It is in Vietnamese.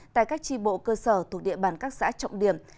tại các tri bộ cơ sở thuộc địa bàn các xã trọng điểm